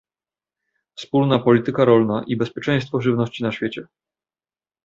Wspólna Polityka Rolna i bezpieczeństwo żywności na świecie